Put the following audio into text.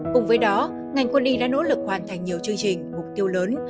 cùng với đó ngành quân y đã nỗ lực hoàn thành nhiều chương trình mục tiêu lớn